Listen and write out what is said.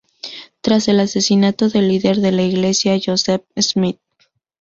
Tras el asesinato del líder de la iglesia Joseph Smith, Jr.